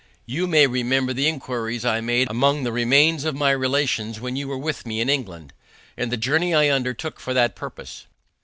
You may remember the inquiries I made among the remains of my relations when you were with me in England, and the journey I undertook for that purpose.